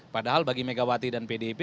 padahal bagi megawati dan pdip